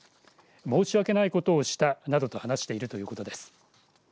申し訳ないことをしたなどと話しているということです。